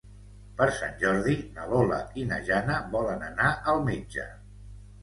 Per Sant Jordi na Lola i na Jana volen anar al metge.